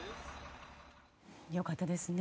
良かったですね。